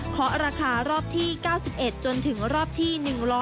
ราคารอบที่๙๑จนถึงรอบที่๑๐๐